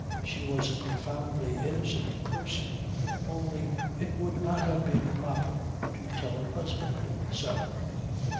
She was a profoundly innocent person; only it would not have been proper to tell her husband so.